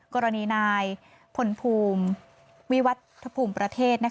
กรณีนายพลภูมิวิวัฒภูมิประเทศ